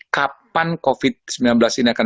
kapan covid sembilan belas ini akan